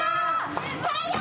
最悪！